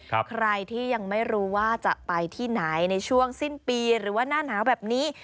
ใครที่ยังไม่รู้ว่าจะไปที่ไหนในช่วงสิ้นปีหรือว่าหน้าหนาวแบบนี้